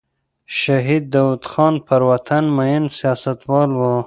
شهید داود خان پر وطن مین سیاستوال و.